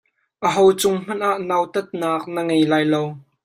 Aho cung hmanh ah nautatnak na ngei lai lo.